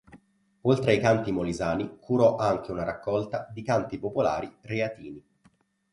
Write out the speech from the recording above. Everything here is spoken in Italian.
Oltre ai canti molisani, curò anche una raccolta di canti popolari reatini.